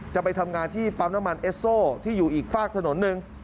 จะไปทำงานที่ปั๊มน้ำมันเอสโซที่อยู่อีกฝากถนนหนึ่ง